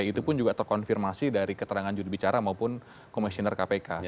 itu pun juga terkonfirmasi dari keterangan judul bicara maupun komisioner kpk